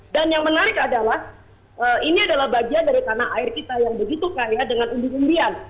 dan yang menarik adalah ini adalah bagian dari tanah air kita yang begitu kaya dengan umum umumian